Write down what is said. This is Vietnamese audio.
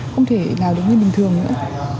không thể nào được như bình thường nữa